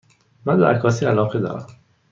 من به عکاسی علاقه دارم.